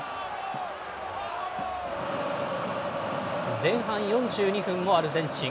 前半４２分もアルゼンチン。